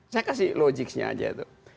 saya kasih logiknya aja tuh